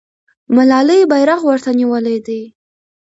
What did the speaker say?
ملالۍ بیرغ ورته نیولی دی.